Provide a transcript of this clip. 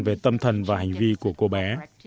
về tâm thần và hành vi của cô bé